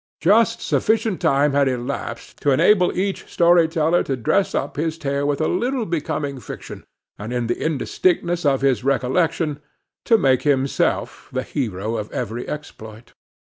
Just sufficient time had elapsed to enable each storyteller to dress up his tale with a little becoming fiction, and, in the indistinctness of his recollection, to make himself the hero of every exploit.